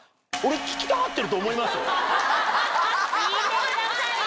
聞いてくださいよ。